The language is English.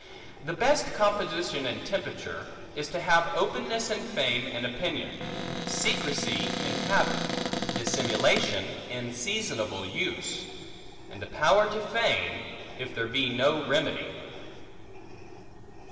The best composition and temperature, is to have openness in fame and opinion; secrecy in habit; dissimulation in seasonable use; and a power to feign, if there be no remedy.